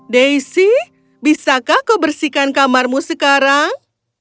desi bisakah kau bersihkan kamarmu sekarang